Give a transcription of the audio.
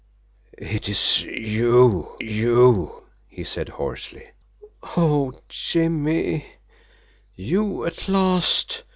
"It's you YOU!" he said hoarsely. "Oh, Jimmie you at last!"